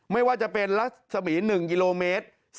ไม่ว่าจะเป็นรัศมี๑กิโลเมตร